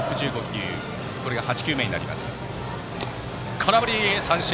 空振り三振。